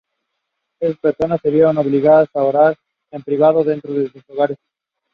The United Nations meanwhile recognized Joseph as the legitimate acting President.